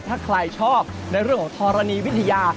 ถ้าใครชอบในเรื่องของธรณีวิทยา